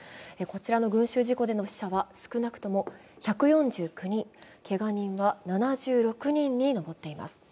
こちらの群集事故での死者は少なくとも１４９人、けが人は７６人に上っています。